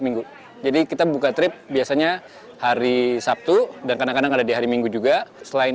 minggu jadi kita buka trip biasanya hari sabtu dan kadang kadang ada di hari minggu juga selain